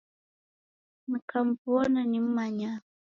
Nikamuw'ona nim'manya